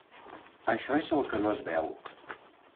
Això és el que no es veu.